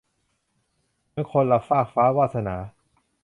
เหมือนคนละฟากฟ้า - วาสนา